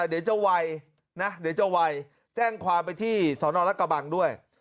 เดี๋ยวจะไวนะเดี๋ยวจะไวแจ้งความไปที่สนรักกะบังด้วย